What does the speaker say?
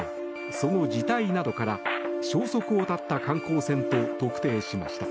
その字体などから消息を絶った観光船と特定しました。